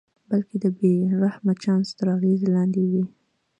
بلکې د بې رحمه چانس تر اغېز لاندې وي.